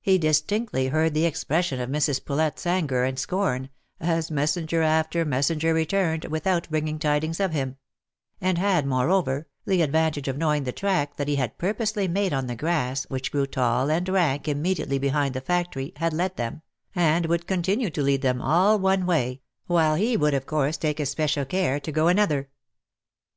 He distinctly heard the expression of Mrs. Poulet's anger and scorn, as messenger after messenger returned, without bringing tidings of him ; and had, moreover, the advantage of knowing the track that he had purposely made on the grass which grew tall and rank immediately behind the factory, had led them, and would continue to lead them, all one way, while he would of course take especial care to go another.